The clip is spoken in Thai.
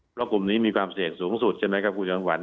เพราะกลุ่มนี้มีความเสี่ยงสูงสุดใช่ไหมครับคุณจำขวัญ